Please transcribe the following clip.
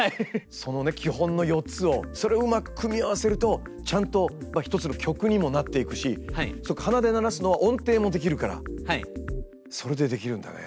そのね基本の４つをそれをうまく組み合わせるとちゃんと一つの曲にもなっていくし鼻で鳴らすのは音程もできるからそれでできるんだね。